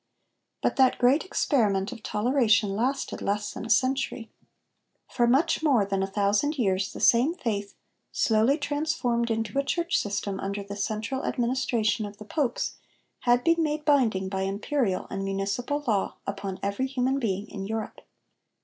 But that great experiment of toleration lasted less than a century. For much more than a thousand years the same faith, slowly transformed into a church system under the central administration of the Popes, had been made binding by imperial and municipal law upon every human being in Europe.